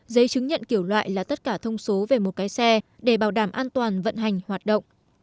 giấy chứng nhận kiểu loại là tất cả thông số về một cái xe để bảo đảm an toàn vận hành hoạt động